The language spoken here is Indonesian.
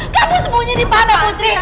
kamu sembunyi di mana